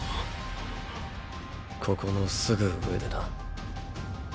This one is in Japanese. ここのすぐ上でな。